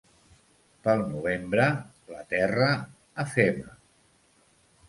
Pel novembre, la terra afema.